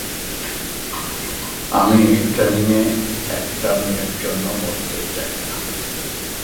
আমি ট্রেইনিং এ একটা মেয়ের জন্য মরতে চাই না।